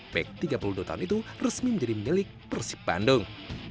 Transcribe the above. back tiga puluh dua tahun itu resmi menjadi milik persib bandung